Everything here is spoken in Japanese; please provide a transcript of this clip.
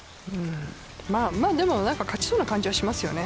でも何か勝ちそうな感じはしますよね。